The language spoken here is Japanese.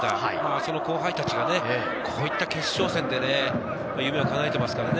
その後輩たちがこういった決勝戦で、夢をかなえていますからね。